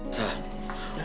aksan boleh sama